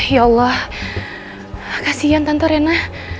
ya allah kasihan tante reina